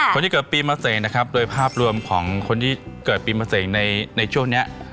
คนที่เกิดปีมะเสกนะครับโดยภาพรวมของคนที่เกิดปีมะเสงในช่วงนี้